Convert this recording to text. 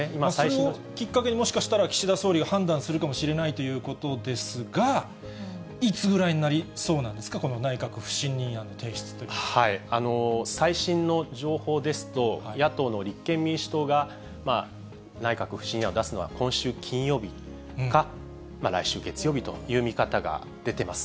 これをきっかけに、もしかしたら岸田総理が判断するかもしれないということですが、いつぐらいになりそうなんですか、この内閣不信任案の提出というの最新の情報ですと、野党の立憲民主党が、内閣不信任案を出すのは今週金曜日か、来週月曜日という見方が出ています。